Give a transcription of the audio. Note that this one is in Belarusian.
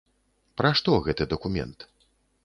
Пра што гэты дакумент?